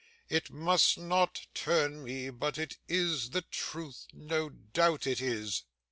'It must not turn me, but it is the truth; no doubt it is.